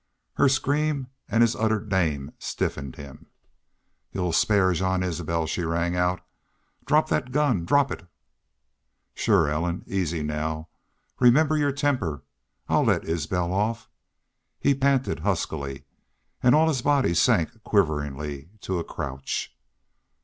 Her scream and his uttered name stiffened him. "Y'u will spare Jean Isbel!" she rang out. "Drop that gun drop it!" "Shore, Ellen.... Easy now. Remember your temper.... I'll let Isbel off," he panted, huskily, and all his body sank quiveringly to a crouch.